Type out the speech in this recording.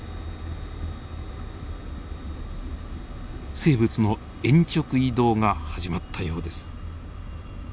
生物の鉛直移動が始まったようです。